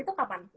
itu kapan sih